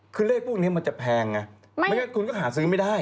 คือเลขพวกนี้มันจะแพงไงไม่งั้นคุณก็หาซื้อไม่ได้